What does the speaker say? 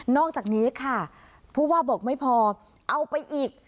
อกจากนี้ค่ะผู้ว่าบอกไม่พอเอาไปอีก